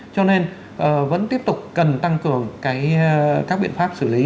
cho nên vẫn tiếp tục cần tăng cường các biện pháp xử lý